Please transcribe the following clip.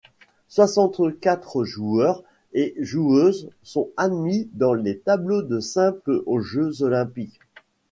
Soixante-quatre joueurs et joueuses sont admis dans les tableaux de simple aux Jeux olympiques.